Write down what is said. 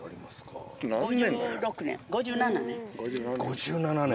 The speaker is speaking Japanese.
５７年？